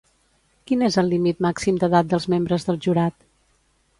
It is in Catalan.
Quin és el límit màxim d'edat dels membres del jurat?